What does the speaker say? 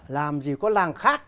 làm gì có làng khác